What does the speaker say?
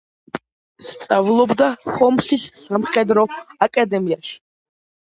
სწავლობდა ჰომსის სამხედრო აკადემიაში.